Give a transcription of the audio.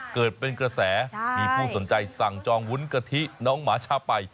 เกิดเป็นกระแสมีผู้สนใจสั่งจองวุ้นกะทิน้องหมาชาไป